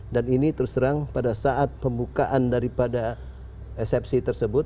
dan ini terserang pada saat pembukaan daripada eksepsi tersebut